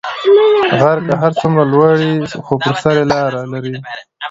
غر که هر څونده لوړ یی خو پر سر لاره لری